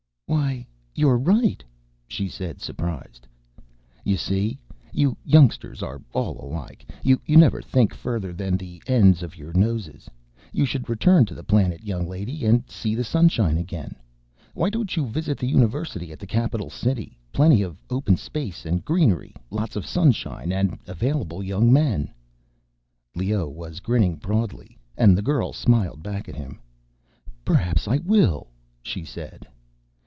"Why, you're right," she said, surprised. "You see? You youngsters are all alike. You never think further than the ends of your noses. You should return to the planet, young lady, and see the sunshine again. Why don't you visit the University at the capital city? Plenty of open space and greenery, lots of sunshine and available young men!" Leoh was grinning broadly, and the girl smiled back at him. "Perhaps I will," she said.